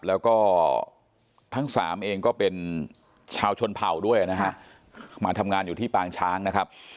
แล้วก็ทั้งสามเองก็เป็นชาวชนเผ่าด้วยนะฮะมาทำงานอยู่ที่ปางช้างนะครับ